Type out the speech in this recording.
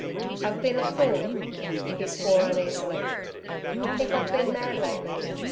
"I've been a fool!" He swore uneasily. "Think I've been mad lately.